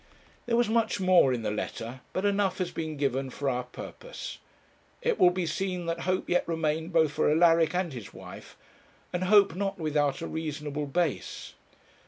There was much more in the letter, but enough has been given for our purpose. It will be seen that hope yet remained both for Alaric and his wife; and hope not without a reasonable base.